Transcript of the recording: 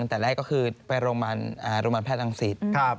แต่แรกก็คือไปโรงพยาบาลแพทย์รังสิต